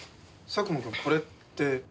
佐久間君これって。